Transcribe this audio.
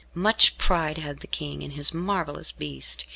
Much pride had the King in his marvellous beast.